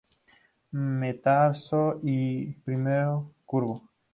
Metatarso I curvo.